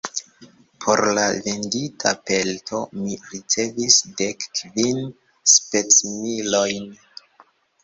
Por la vendita pelto mi ricevis dek kvin spesmilojn.